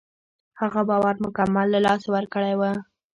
هغه باور مکمل له لاسه ورکړی و.